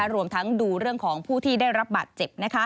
รวมทั้งดูเรื่องของผู้ที่ได้รับบาดเจ็บ